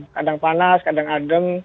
kadang panas kadang adem